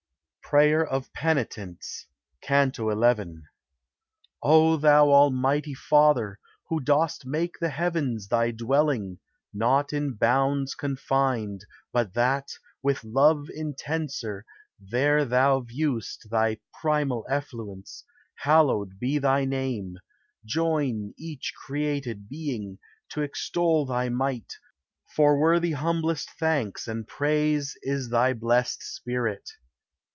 PRAYER OF PENITENTS. CANTO XI. " O thou Almighty Father! who dost make The heavens thy dwelling, not in bounds con fined, But that, with love intenser, there thou view'st Thy primal effluence; hallowed be thy name: Join, each created being, to extol Thy might; for worthy humblest thanks and praise Is thy blest Spirit.